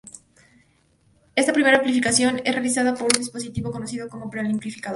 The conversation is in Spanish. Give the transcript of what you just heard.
Esta primera amplificación es realizada por un dispositivo conocido como preamplificador.